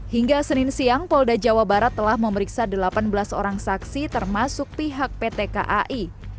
hingga senin siang polda jawa barat telah memeriksa delapan belas orang saksi termasuk pihak pt kai